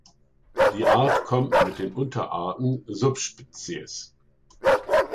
Die Art kommt mit den Unterarten subsp.